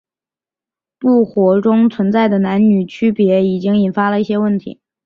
部活中存在的男女区别已引发了一些问题。